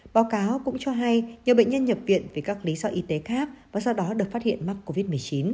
báo cáo cũng cho hay nhiều bệnh nhân nhập viện vì các lý do y tế khác và sau đó được phát hiện mắc covid một mươi chín